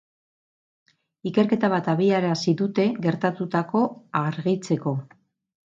Ikerketa bat abiarazi dute gertatutako argitzeko.